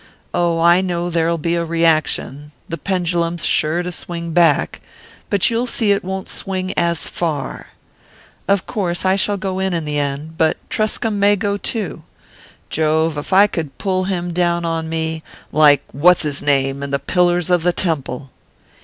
Oh, I know there'll be a reaction the pendulum's sure to swing back: but you'll see it won't swing as far. Of course I shall go in the end but Truscomb may go too: Jove, if I could pull him down on me, like what's his name and the pillars of the temple!"